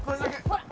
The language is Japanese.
ほら。